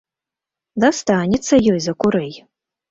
Дастанецца ёй за курэй!